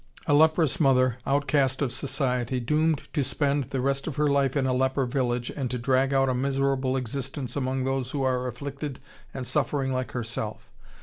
] A leprous mother, outcast of society, doomed to spend the rest of her life in a leper village and to drag out a miserable existence among those who are afflicted and suffering like herself!